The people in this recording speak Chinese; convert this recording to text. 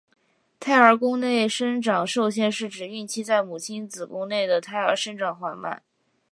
胎儿宫内生长受限是指孕期在母亲子宫内的胎儿生长缓慢。